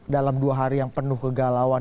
dalam dua hari yang penuh kegalauan